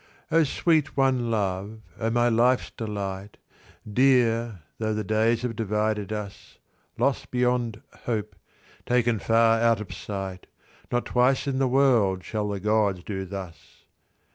O sweet one love, O my life's delight, Dear, though the days have divided us, Lost beyond hope, taken far out of sight, Not twice in the world shall the gods do thus.